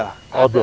opsi itu ada